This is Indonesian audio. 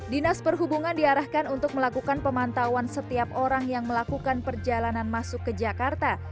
dinas perhubungan diarahkan untuk melakukan pemantauan setiap orang yang melakukan perjalanan masuk ke jakarta